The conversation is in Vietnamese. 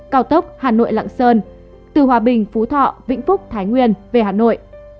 cao tốc hà nội lạng sơn từ hòa bình phú thọ vĩnh phúc thái nguyên về hà nội